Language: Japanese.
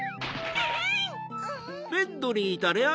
アン！